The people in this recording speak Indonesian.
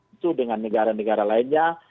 itu dengan negara negara lainnya